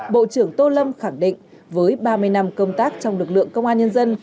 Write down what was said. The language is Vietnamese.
bộ trưởng tô lâm khẳng định với ba mươi năm công tác trong lực lượng công an nhân dân